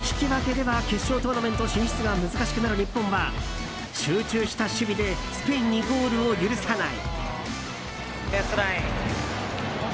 苦しい状況が続いたが引き分けでは決勝トーナメント進出が難しくなる日本は集中した守備でスペインにゴールを許さない。